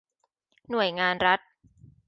หน่วยงานรัฐ